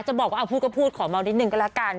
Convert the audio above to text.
จะบอกว่าพูดก็พูดขอเมานิดนึงก็แล้วกัน